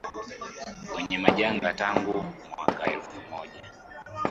kwenye majanga tangu mwaka elfu moja